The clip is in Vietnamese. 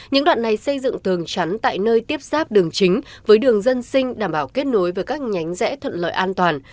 những đoạn này xây dựng tường chắn tại nơi tiếp giáp đường chính với đường dân sinh đảm bảo kết nối với các nhánh rẽ thuận lợi an toàn